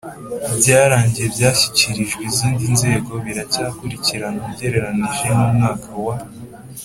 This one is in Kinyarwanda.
byararangiye byashyikirijwe izindi nzego biracyakurikiranwa Ugereranije n umwaka wa